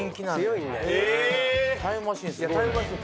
タイムマシーン